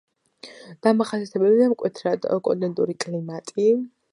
დამახასიათებელია მკვეთრად კონტინენტური კლიმატი.